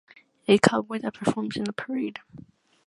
A cowboy that performs in a parade.